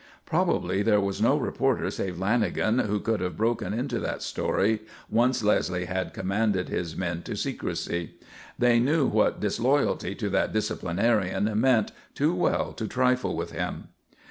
Probably there was no reporter save Lanagan who could have broken into that story once Leslie had commanded his men to secrecy. They knew what disloyalty to that disciplinarian meant too well to trifle with him.